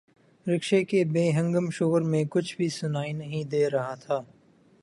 رکشے کے بے ہنگم شور میں کچھ بھی سنائی نہیں دے رہا تھا۔